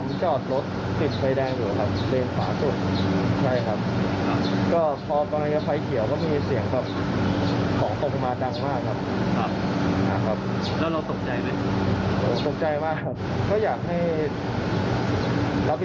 ไม่บอกว่าเผื่อเกียรติการอะไรอย่างนี้นะครับ